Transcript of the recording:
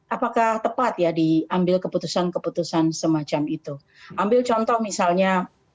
apakah tepat ya diambil keputusan keputusan semacam itu ambil contoh misalnya